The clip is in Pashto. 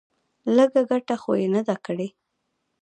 لږه گټه خو يې نه ده کړې.